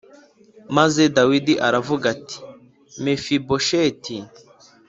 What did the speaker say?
Maze Dawidi aravuga ati “Mefibosheti.”